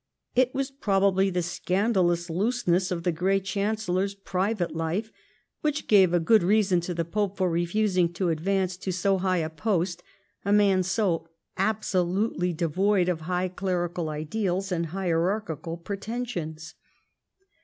It was probably the scandalous looseness of the great chancellor's private life which gave a good reason to the pope for refusing to advance to so high a post a man so absolutely devoid of high clerical ideals and hierarchical pretensions.